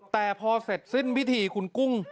แต่พอเสร็จสิ้นพิธีคุณกุ้ง